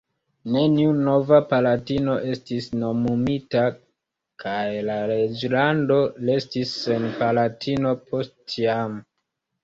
Neniu nova palatino estis nomumita, kaj la reĝlando restis sen palatino post tiam.